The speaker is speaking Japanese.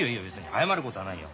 謝ることはないよ。